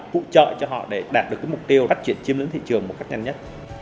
phụ trợ cho họ để đạt được mục tiêu phát triển chiêm ngưỡng thị trường một cách nhanh nhất